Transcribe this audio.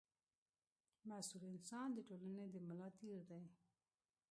مسوول انسان د ټولنې د ملا تېر دی.